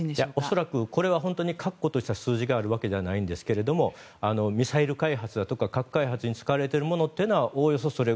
恐らくこれは本当に確固とした数字があるわけではないんですがミサイル開発だとか核開発に使われているものはおおよそ